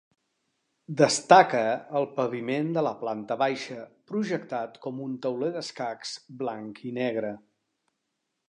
Destaca el paviment de la planta baixa, projectat com un tauler d'escacs blanc i negre.